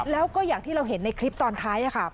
แล้วก็อย่างที่เราเห็นในคลิปตอนท้ายค่ะ